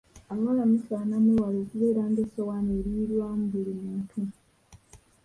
Abawala musaana mwewalae okubeera ng'essowaani erirwamu buli muntu.